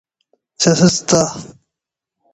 سیاست سته.